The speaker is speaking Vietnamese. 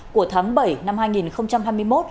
của tháng bảy năm hai nghìn hai mươi một